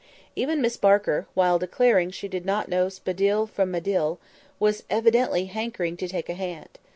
Even Miss Barker, while declaring she did not know Spadille from Manille, was evidently hankering to take a hand.